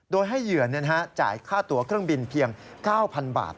โดยให้เหยื่อจ่ายค่าตัวเครื่องบินเพียง๙๐๐บาท